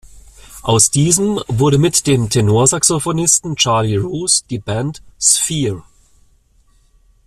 Aus diesem wurde mit dem Tenorsaxophonisten Charlie Rouse die Band "Sphere".